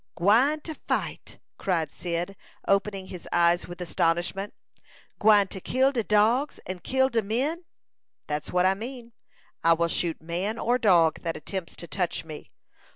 "Gwine to fight!" cried Cyd, opening his eyes with astonishment. "Gwine to kill de dogs and kill de men?" "That's what I mean. I will shoot man or dog that attempts to touch me."